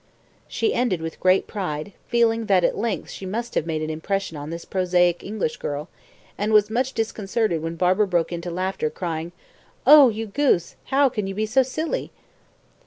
She ended with great pride, feeling that at length she must have made an impression on this prosaic English girl, and was much disconcerted when Barbara broke into laughter, crying, "Oh, you goose; how can you be so silly!"